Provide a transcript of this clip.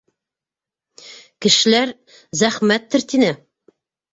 Кешеләр зәхмәттер, тине.